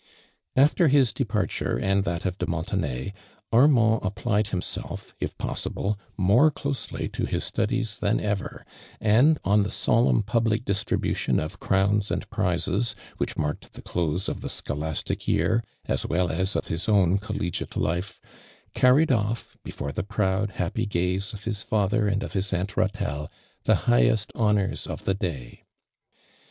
After his departure and that of <le Mon tenay, Armand applied himself, if possible, more closely to his studies than ever, and on the solemn public distribution of ciowns and prizes, which marked the close of the scholastic year, as well as of his own col legiate life, carried otl", before the' proud happy gaze of his father and of his Aunt Ratelle, the highest honors of the day.